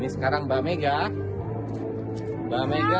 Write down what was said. sekarang mbak mega